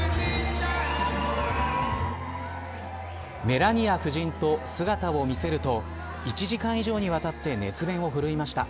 メラニア夫人と姿を見せると１時間以上にわたって熱弁を振るいました。